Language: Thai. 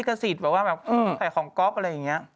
เพราะว่าแบบไม่ให้ของเกอกอะไรอย่างเงี้ย